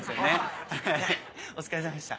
お疲れさまでした。